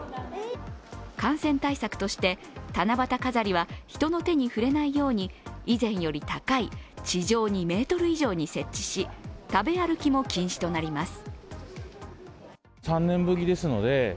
感染対策として、七夕飾りは人の手に触れないように以前より高い地上２ｍ以上に設置し食べ歩きも禁止となります。